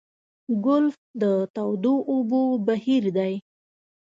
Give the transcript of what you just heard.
ګلف د تودو اوبو بهیر دی.